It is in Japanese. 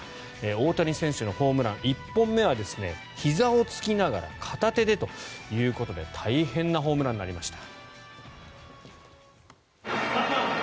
大谷選手のホームラン１本目はひざを突きながら片手でということで大変なホームランになりました。